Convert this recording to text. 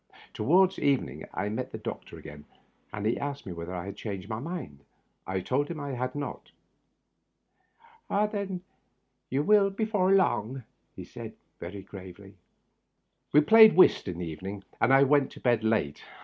Toward evening I met the doctor again, and he asked me whether I had changed my mind. I told him I had not. "Then you will before long," he said, very grave "We played whist in the evening, and I went to bed late.